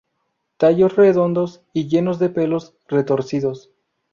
Tallos redondos y llenos de pelos retorcidos.